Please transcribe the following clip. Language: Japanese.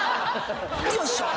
よいしょっ！